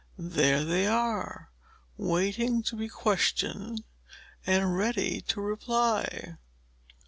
There they are, waiting to be questioned, and ready to reply.